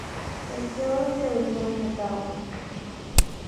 Creció y se educó en Ottawa.